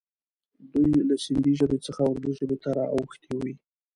دوی له سیندي ژبې څخه اردي ژبې ته را اوښتي وي.